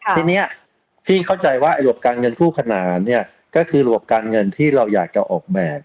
ทีนี้พี่เข้าใจว่าระบบการเงินคู่ขนานเนี่ยก็คือระบบการเงินที่เราอยากจะออกแบบ